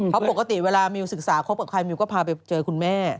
เพราะปกติเวลามิวศึกษาคบกับใครมิวก็พาไปเจอคุณแม่